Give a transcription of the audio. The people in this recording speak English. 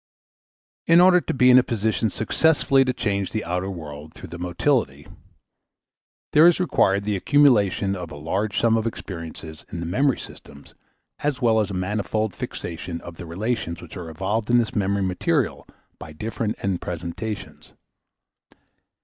In order to be in a position successfully to change the outer world through the motility, there is required the accumulation of a large sum of experiences in the memory systems as well as a manifold fixation of the relations which are evoked in this memory material by different end presentations.